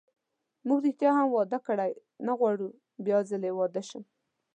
موږ ریښتیا هم واده کړی، نه غواړم چې بیا ځلي واده شم.